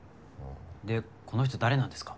でこの人誰なんですか？